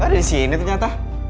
ada disini ternyata